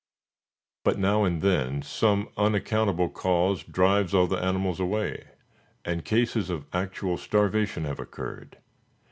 But now and then some unaccountable cause drives all the animals away, and cases of actual starvation have occurred.